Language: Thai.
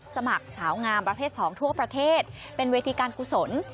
สมัครสาวงามประเภท๒ทั่วประเทศเป็นเวทีการกุศล